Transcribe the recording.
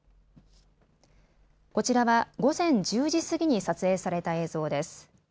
こちらは午前１０時過ぎに撮影された映像です。